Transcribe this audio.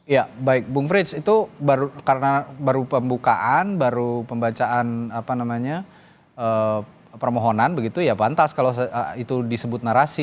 ya baik bung frits itu karena baru pembukaan baru pembacaan permohonan begitu ya pantas kalau itu disebut narasi